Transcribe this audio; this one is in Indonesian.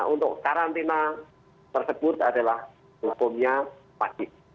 untuk karantina tersebut adalah hukumnya wajib